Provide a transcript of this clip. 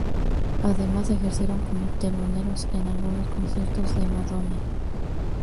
Además ejercieron como teloneros en algunos conciertos de Madonna.